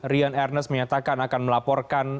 rian ernest menyatakan akan melaporkan